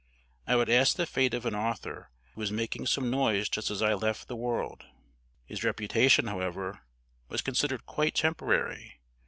I would ask the fate of an author who was making some noise just as I left the world. His reputation, however, was considered quite temporary.